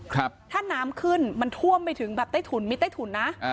ถ้าน้ำขึ้นมันท่วมไปถึงแบบใต้ถุนมิดใต้ถุนนะอ่า